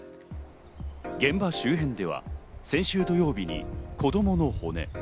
現場周辺では先週土曜日に子供の骨。